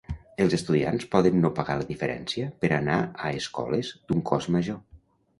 Els estudiants poden no pagar la diferència per anar a escoles d'un cost major.